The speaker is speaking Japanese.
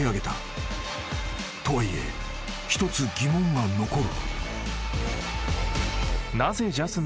［とはいえ１つ疑問が残る］